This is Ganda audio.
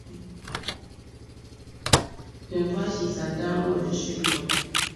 Kino twakiyisa dda nga olukiiko.